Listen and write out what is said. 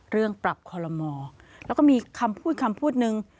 เรื่องปรับความลมออกแล้วก็มีคำพูดคำพูดหนึ่ง